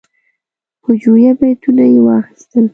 هجویه بیتونه یې واخیستل.